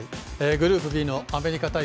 グループＢのアメリカ対